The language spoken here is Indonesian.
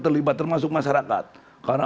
terlibat termasuk masyarakat karena